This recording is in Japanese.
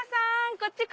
こっち！